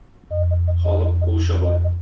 Халык кул чаба.